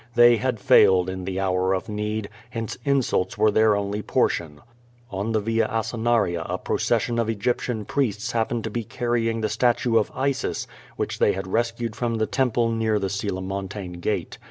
They had failed in the hour of need, hence insults were Iheir only portion. On the Via Asinaria a procession of Egyptian priests happened to be carrying the statue of Isis, which they had rescued from the temple near the Coelimon tane Gate.